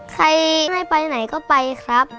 ใครไม่ไปไหนก็ไปครับ